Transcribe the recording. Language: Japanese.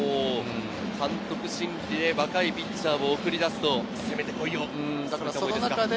監督心理で若いピッチャーを送り出すと攻めてこいよと。